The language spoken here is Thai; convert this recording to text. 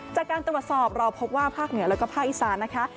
จากการตรวจสอบเราพบว่าภาคเหนือแล้วก็ภาคอีสานนะคะ